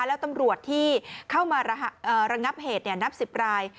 แล้วตำรวจที่เข้ามาระหะเอ่อระงับเหตุเนี้ยนับสิบราย